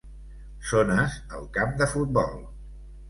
Zones al camp de futbol.